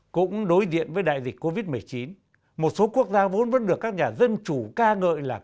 cũng đối diện với đại dịch covid một mươi chín một số quốc gia vốn vẫn được các nhà dân chủ ca ngợi là